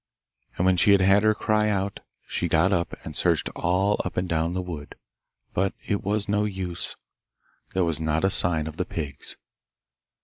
And when she had had her cry out she got up and searched all up and down the wood. But it was no use; there was not a sign of the pigs.